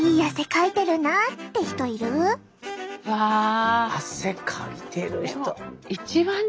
逆に汗かいてる人。